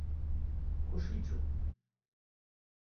Kuŝiĝu!